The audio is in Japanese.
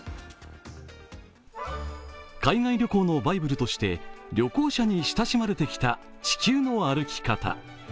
海外旅行のバイブルとして旅行者に親しまれてきた「地球の歩き方」。